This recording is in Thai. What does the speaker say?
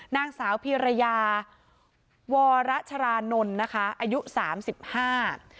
นางสาวพีระยาวรชรานนท์อายุ๓๕บาท